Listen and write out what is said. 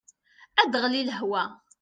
Ad aɣli lehwa.